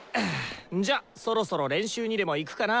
んじゃそろそろ練習にでも行くかな！